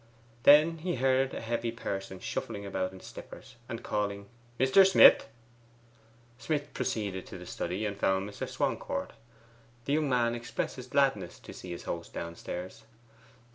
Then he heard a heavy person shuffling about in slippers, and calling 'Mr. Smith!' Smith proceeded to the study, and found Mr. Swancourt. The young man expressed his gladness to see his host downstairs.